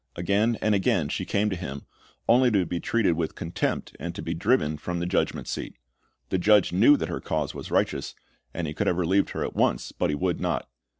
Again and again she came to him, only to be treated with contempt, and to be driven from the judgment seat. The judge knew that her cause was righteous, and he could have relieved her at once, but he would not.